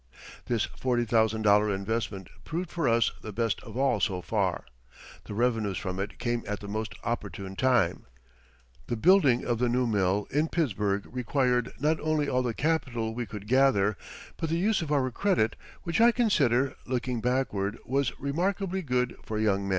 This forty thousand dollar investment proved for us the best of all so far. The revenues from it came at the most opportune time. The building of the new mill in Pittsburgh required not only all the capital we could gather, but the use of our credit, which I consider, looking backward, was remarkably good for young men.